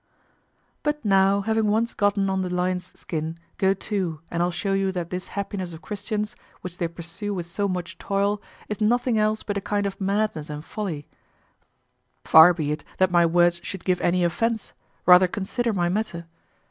But now, having once gotten on the lion's skin, go to, and I'll show you that this happiness of Christians, which they pursue with so much toil, is nothing else but a kind of madness and folly; far be it that my words should give any offense, rather consider my matter.